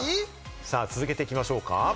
続けていきましょうか。